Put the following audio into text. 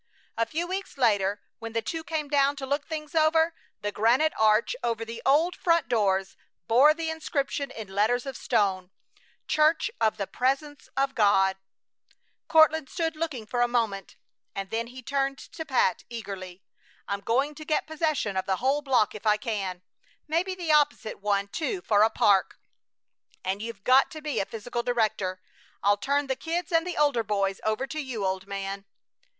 A few weeks later, when the two came down to look things over, the granite arch over the old front doors bore the inscription in letters of stone: CHURCH OF THE PRESENCE OF GOD Courtland stood looking for a moment, and then he turned to Pat eagerly. "I'm going to get possession of the whole block if I can; maybe the opposite one, too, for a park, and you've got to be physical director! I'll turn the kids and the older boys over to you, old man!"